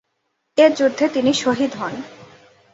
এ যুদ্ধে তিনি শহীদ হন।